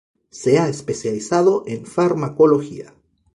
Se ha especializado en Farmacología.